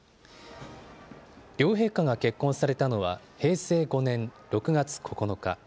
両陛下が結婚されたのは平成５年６月９日。